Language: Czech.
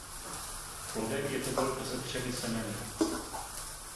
Plodem je tobolka se třemi semeny.